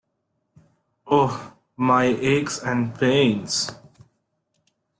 Oh, my aches and pains!